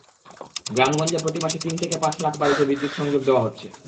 গ্রামগঞ্জে প্রতি মাসে তিন থেকে পাঁচ লাখ বাড়িতে বিদ্যুৎ-সংযোগ দেওয়া হচ্ছে।